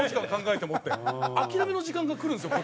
諦めの時間がくるんですよ